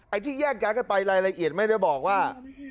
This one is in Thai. ที่แยกย้ายกันไปรายละเอียดไม่ได้บอกว่า